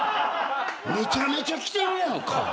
めちゃめちゃ来てるやんか。